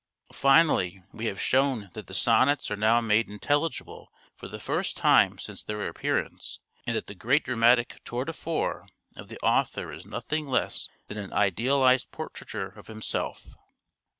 Finally, we have shown that the sonnets are now made intelligible for the first time since their appearance, and that the great dramatic tour de force of the author is nothing less than an idealized portraiture of himself.